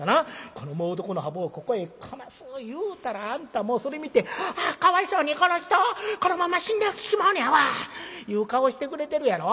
この猛毒のハブをここへかます言うたらあんたもうそれ見て『ああかわいそうにこの人このまま死んでしまうのやわ』いう顔してくれてるやろ。